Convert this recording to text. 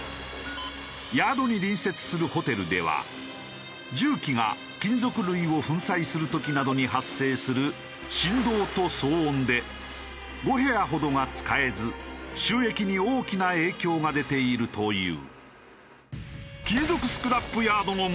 ヤードに隣接するホテルでは重機が金属類を粉砕する時などに発生する振動と騒音で５部屋ほどが使えず収益に大きな影響が出ているという。